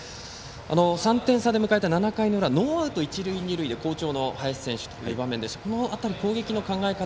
３点差で迎えたノーアウト、一塁二塁で好調の林選手という場面でこの辺り、攻撃の考え方